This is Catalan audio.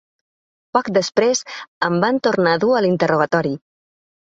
Poc després, em van tornar a dur a l’interrogatori.